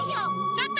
ちょっと。